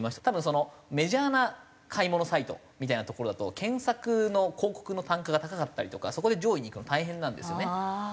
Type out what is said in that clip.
多分メジャーな買い物サイトみたいなところだと検索の広告の単価が高かったりとかそこで上位にいくの大変なんですね。